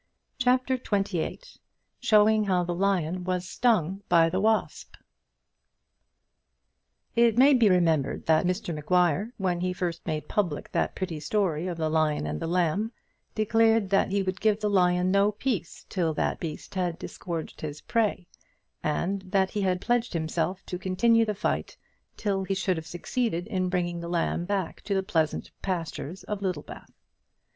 CHAPTER XXVIII Showing How the Lion Was Stung by the Wasp It may be remembered that Mr Maguire, when he first made public that pretty story of the Lion and the Lamb, declared that he would give the lion no peace till that beast had disgorged his prey, and that he had pledged himself to continue the fight till he should have succeeded in bringing the lamb back to the pleasant pastures of Littlebath.